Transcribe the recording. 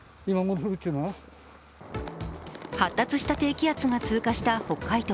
発達した低気圧が通過した北海道。